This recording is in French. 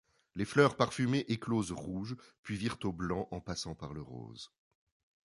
Les fleurs parfumées éclosent rouges puis virent au blanc en passant par le rose.